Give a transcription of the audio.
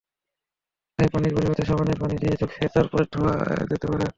তাই পানির পরিবর্তে সাবানের পানি দিয়ে চোখের চারপাশ ধোয়া যেতে পারে।